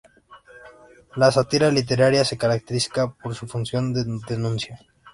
La sátira literaria se caracteriza por su función de denuncia.